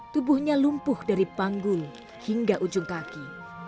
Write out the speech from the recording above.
tubuhnya lumpuh dari panggul hingga ujung kaki